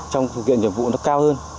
trong thực hiện nhiệm vụ nó cao hơn